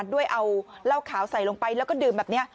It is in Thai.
ด้วยเอาเหล้าขาวใส่ลงไปแล้วก็ดื่มแบบนี้